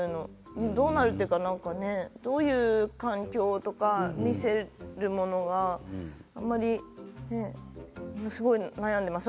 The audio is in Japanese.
どうなるのかというか、何かねどういう環境とかを見せるのかすごい悩んでいます。